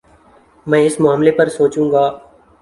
میں اس معاملے پر سوچوں گا